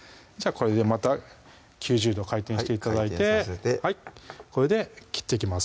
これでまた９０度回転して頂いてこれで切っていきます